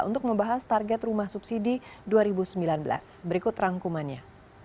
untuk membahas target rumah subsidi dua ribu sembilan belas berikut rangkumannya